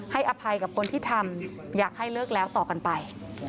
อภัยกับคนที่ทำอยากให้เลิกแล้วต่อกันไป